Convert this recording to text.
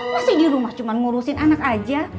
masih di rumah cuma ngurusin anak aja